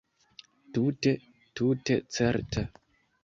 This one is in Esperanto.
Tute, tute certa.